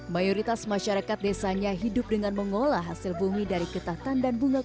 mayoritas masyarakat desanya hidup dengan mengolah hasil bumi dari ketatan dan bunga